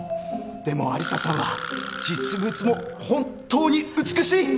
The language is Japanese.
でも有沙さんは実物も本当に美しい！